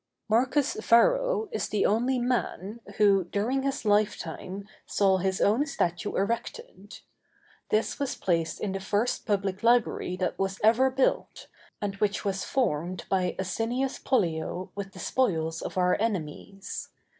Marcus Varro is the only man, who, during his lifetime, saw his own statue erected. This was placed in the first public library that was ever built, and which was formed by Asinius Pollio with the spoils of our enemies.